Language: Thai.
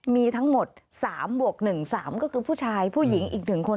มีทั้งหมด๓บวก๑๓ก็คือผู้ชายผู้หญิงอีก๑คน